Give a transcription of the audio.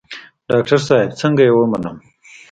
ډاکتر صاحب څنګه يې ومنم.